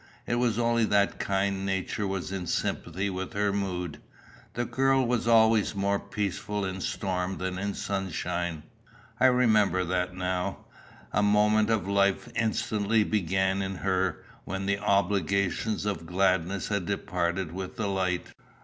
It was only that kind nature was in sympathy with her mood. The girl was always more peaceful in storm than in sunshine. I remembered that now. A movement of life instantly began in her when the obligation of gladness had departed with the light.